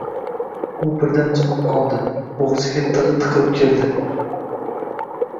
U birdan jimib qoldi — bo‘g‘ziga yig‘i tiqilib keldi.